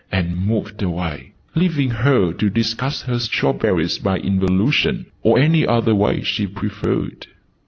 and moved away, leaving her to discuss her strawberries by 'involution,' or any other way she preferred.